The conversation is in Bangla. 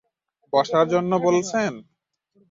বসার জন্য বলছেন।